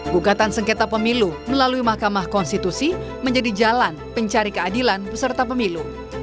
gugatan sengketa pemilu melalui mahkamah konstitusi menjadi jalan pencari keadilan peserta pemilu